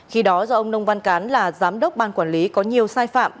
khi đó do ông nông văn cán là giám đốc ban quản lý có nhiều sai phạm